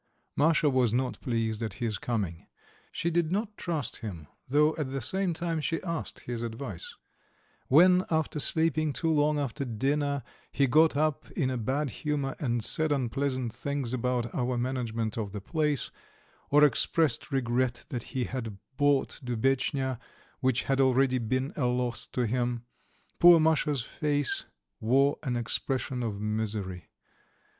Masha was not pleased at his coming, she did not trust him, though at the same time she asked his advice. When, after sleeping too long after dinner, he got up in a bad humour and said unpleasant things about our management of the place, or expressed regret that he had bought Dubetchnya, which had already been a loss to him, poor Masha's face wore an expression of misery.